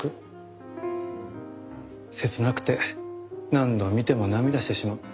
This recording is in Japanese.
切なくて何度見ても涙してしまう。